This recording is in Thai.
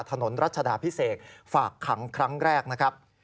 รัชดาพิเศษฝากขังครั้งแรกนะครับ